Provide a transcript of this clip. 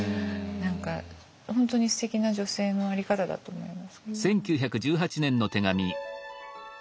何か本当にすてきな女性の在り方だと思いますけど。